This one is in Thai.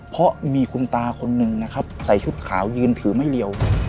เพราะมีคุณตาคนหนึ่งนะครับใส่ชุดขาวยืนถือไม่เรียว